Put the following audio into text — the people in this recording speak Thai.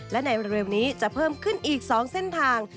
และในเร็วนี้จะเพิ่มขึ้นอีก๒เส้นทาง